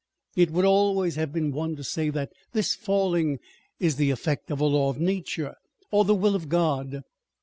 It would always have been one to say that this falling is the effect of a law of nature, or the will of God.